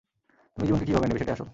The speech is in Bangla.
তুমি জীবনকে কীভাবে নেবে, সেটাই আসল।